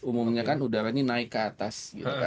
umumnya kan udara ini naik ke atas